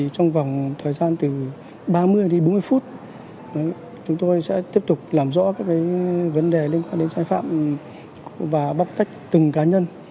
trong vòng thời gian từ ba mươi đến bốn mươi phút chúng tôi sẽ tiếp tục làm rõ các vấn đề liên quan đến sai phạm và bóc tách từng cá nhân